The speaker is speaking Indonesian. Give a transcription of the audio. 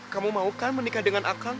kamu mau kan menikah dengan akang